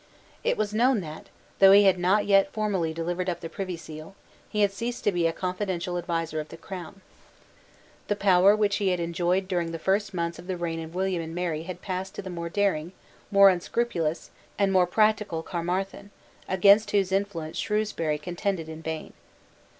It was known that, though he had not yet formally delivered up the Privy Seal, he had ceased to be a confidential adviser of the Crown. The power which he had enjoyed during the first months of the reign of William and Mary had passed to the more daring, more unscrupulous and more practical Caermarthen, against whose influence Shrewsbury contended in vain.